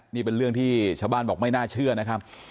นี่เป็นเรื่องที่ชาวบ้านบอกไม่น่าเชื่อนะครับ